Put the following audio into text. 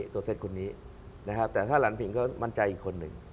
ตัวเซ็ตคนนี้นะครับแต่ถ้าหลานผิงก็มั่นใจอีกคนหนึ่ง